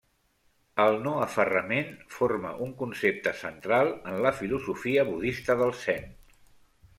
El no-aferrament forma un concepte central en la filosofia budista del zen.